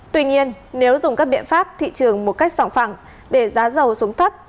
tuy nhiên nếu dùng các biện pháp thị trường một cách sòng phẳng để giá dầu xuống thấp